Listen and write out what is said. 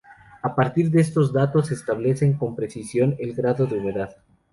A partir de estos datos se establece con precisión el grado de humedad.